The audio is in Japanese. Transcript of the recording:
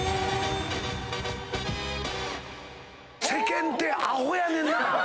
世間ってアホやねんなぁ。